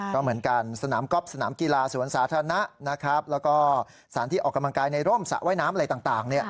ก็เหมือนกันสนามก๊อฟสนามกีฬาสวนสาธารณะนะครับแล้วก็สารที่ออกกำลังกายในร่มสระว่ายน้ำอะไรต่าง